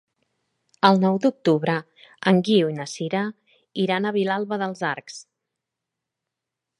El nou d'octubre en Guiu i na Sira iran a Vilalba dels Arcs.